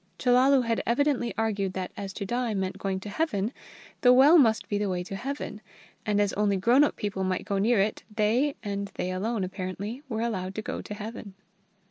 Chellalu had evidently argued that as to die meant going to Heaven, the well must be the way to Heaven; and as only grown up people might go near it, they, and they alone apparently, were allowed to go to Heaven.